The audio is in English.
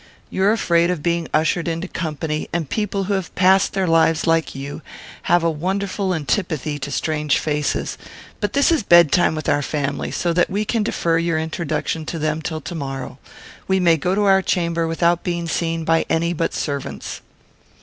You are afraid of being ushered into company; and people who have passed their lives like you have a wonderful antipathy to strange faces; but this is bedtime with our family, so that we can defer your introduction to them till to morrow. We may go to our chamber without being seen by any but servants."